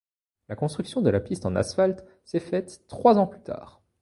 La construction de la piste en asphalte s'est faite trois ans plus tard.